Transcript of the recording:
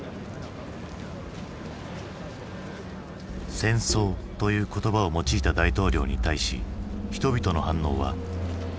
「戦争」という言葉を用いた大統領に対し人々の反応は。